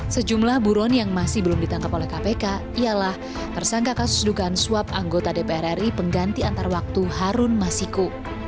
sejumlah buron yang masih belum ditangkap oleh kpk ialah tersangka kasus dugaan suap anggota dpr ri pengganti antar waktu harun masiku